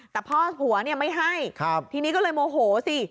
แต่พ่อผัวเนี่ยไม่ให้ทีนี้ก็เลยโมโหสิ